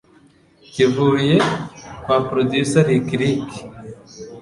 kivuye kwa producer lick lick